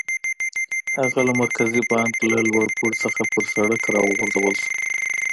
هغه له مرکزي بانک له لوړ پوړ څخه پر سړک را وغورځول شو.